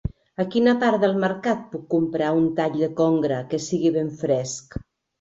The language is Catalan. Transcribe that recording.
A quina part del mercat puc comprar un tall de congre que sigui ben fresc?